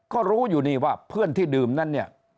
ก็รู้อยู่นี่ว่าเพื่อนที่ดื่มนั้นเนี่ย